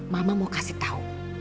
mama mau kasih tau